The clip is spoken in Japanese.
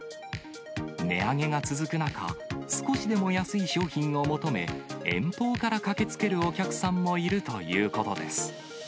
値上げが続く中、少しでも安い商品を求め、遠方から駆けつけるお客さんもいるということです。